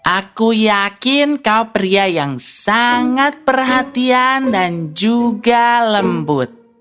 aku yakin kau pria yang sangat perhatian dan juga lembut